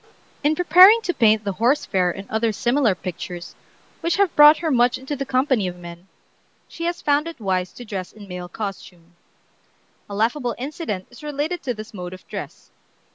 In preparing to paint the "Horse Fair" and other similar pictures, which have brought her much into the company of men, she has found it wise to dress in male costume. A laughable incident is related of this mode of dress.